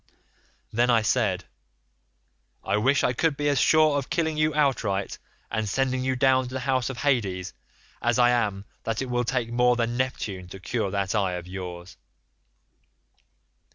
"Then I said, 'I wish I could be as sure of killing you outright and sending you down to the house of Hades, as I am that it will take more than Neptune to cure that eye of yours.